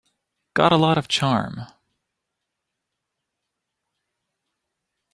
Got a lot of charm.